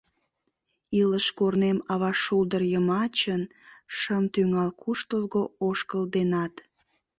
Илыш корнем ава шулдыр йымачын Шым тӱҥал куштылго ошкыл денат.